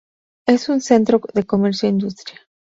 Es un centro de comercio e industria.